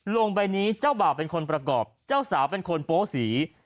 ลงใบนี้เจ้าบ่าวเป็นคนประกอบเจ้าสาวเป็นคนโป๊สี